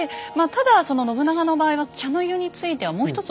ただその信長の場合は茶の湯についてはもう一つ